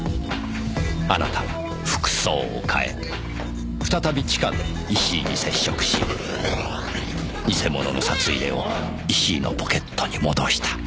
あなたは服装を変え再び地下で石井に接触し偽物の札入れを石井のポケットに戻した。